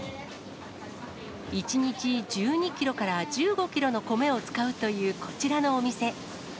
１日１２キロから１５キロの米を使うというこちらのお店。